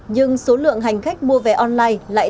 nhưng số lượng hành khách mua vé online lại